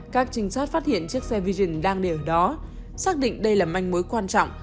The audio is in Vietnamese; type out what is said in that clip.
các trinh sát phát hiện chiếc xe vigion đang để ở đó xác định đây là manh mối quan trọng